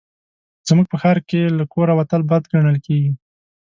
زموږ په ښار کې له کوره وتل بد ګڼل کېږي